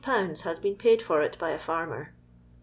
has been paid for it by a farmer.